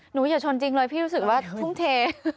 อย่าชนจริงเลยพี่รู้สึกว่าทุ่มเท